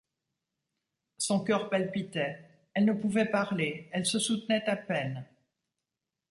Son cœur palpitait ; elle ne pouvait parler, elle se soutenait à peine.